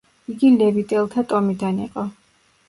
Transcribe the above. იგი ლევიტელთა ტომიდან იყო.